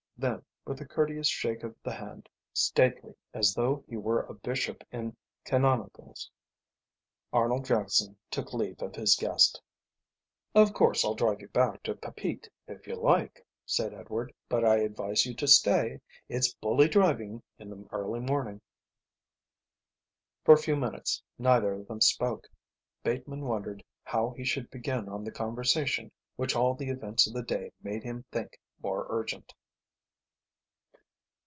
Then with a courteous shake of the hand, stately as though he were a bishop in canonicals, Arnold Jackson took leave of his guest. "Of course I'll drive you back to Papeete if you like," said Edward, "but I advise you to stay. It's bully driving in the early morning." For a few minutes neither of them spoke. Bateman wondered how he should begin on the conversation which all the events of the day made him think more urgent.